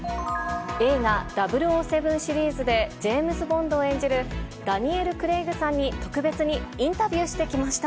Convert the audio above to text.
映画、００７シリーズでジェームズ・ボンドを演じるダニエル・クレイグさんに特別にインタビューしてきました。